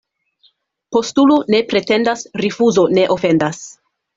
Postulo ne pretendas, rifuzo ne ofendas.